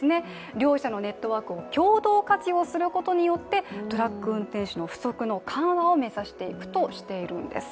両社のネットワークを共同活用することによってトラック運転手の不足の緩和を目指していくとしているんです。